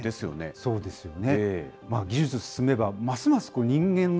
そうですね。